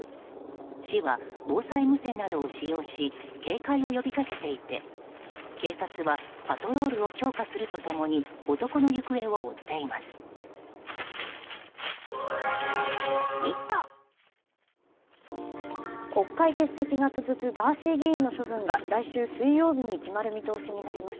市は防災無線などを使用し警戒を呼びかけていて警察はパトロールを強化すると共に男の行方を追っています。